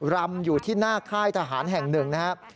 รำอยู่ที่หน้าค่ายทหารแห่งหนึ่งนะครับ